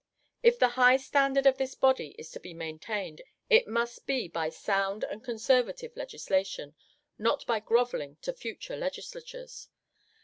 If the high standard of this body is to be maintained, it must be by sound and conservative legislation, not by grovelling to future legislatures."